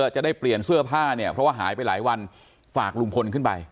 จะได้เปลี่ยนเสื้อผ้าเนี่ยเพราะว่าหายไปหลายวันฝากลุงพลขึ้นไป